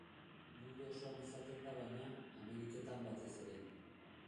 Mundu osoan izaten da baina, Ameriketan batez ere.